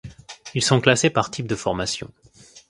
Ils sont classés par type de formation.